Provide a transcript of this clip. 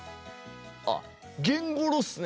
あゲンゴロウっすね！